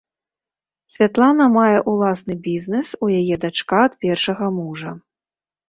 Святлана мае ўласны бізнэс, у яе дачка ад першага мужа.